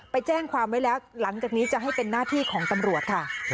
ไปแจ้งความไว้แล้วหลังจากนี้จะให้เป็นหน้าที่ของตำรวจค่ะ